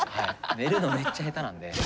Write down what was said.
寝るのめっちゃヘタなんで。